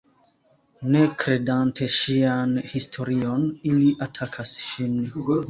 Ne kredante ŝian historion, ili atakas ŝin.